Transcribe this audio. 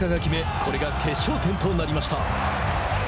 これが決勝点となりました。